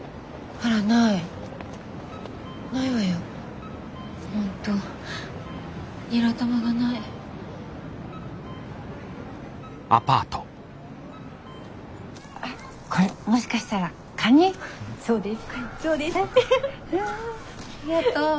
ありがとう。